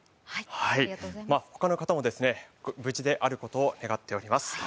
他の方も無事であることを願っています。